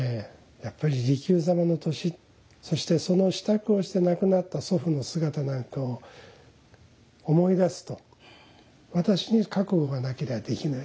やっぱり利休様の年そしてその支度をして亡くなった祖父の姿なんかを思い出すと私に覚悟がなけりゃできないし。